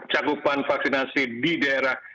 cakupan vaksinasi di daerah